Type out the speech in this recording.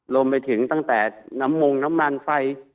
รวมไปถึงตั้งแต่น้ำมงน้ำมันไฟ